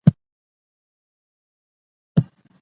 که لارښود موجود وي نو لاره نه ورکېږي.